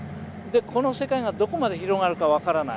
この世界がどこまで広がるか分からない。